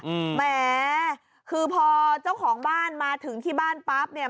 แหมคือพอเจ้าของบ้านมาถึงที่บ้านปั๊บเนี่ย